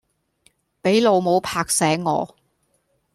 俾老母拍醒我